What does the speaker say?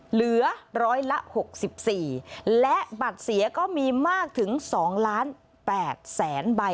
เหลือร้อยละ๖๔และบัตรเสียก็มีมากถึง๒ล้าน๘แสนใบ